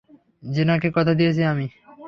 জিনাকে কথা দিয়েছি আমি।